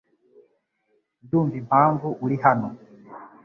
Ndumva impamvu uri hano .